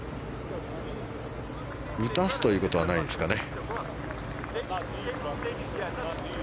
打たせるということはないですかね。